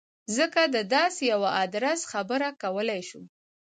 څنګه د داسې یوه ادرس خبره کولای شو.